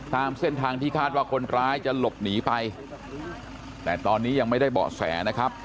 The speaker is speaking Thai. ตามเส้นทางที่คาดว่าคนร้ายจะหลบหนีไปแต่ตอนนี้ยังไม่ได้เบาะแสนะครับ